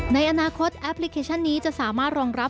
ในอนาคตแอปพลิเคชันนี้จะสามารถรองรับ